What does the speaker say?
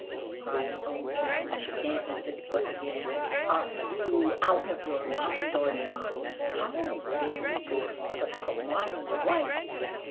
cried the old gentleman, stamping his foot again. "Are you out of your mind or not? How dare you talk about my wife?"